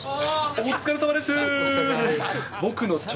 お疲れさまです。